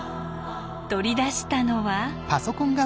取り出したのは。